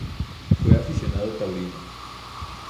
Fue aficionado taurino.